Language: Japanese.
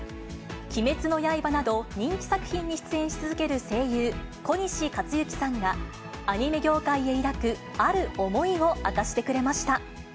鬼滅の刃など、人気作品に出演し続ける声優、小西克幸さんが、アニメ業界へ抱く、ある思いを明かしてくれました。